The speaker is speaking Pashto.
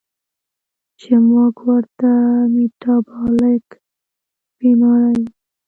چې مونږ ورته ميټابالک بیمارۍ وايو